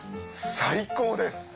最高です。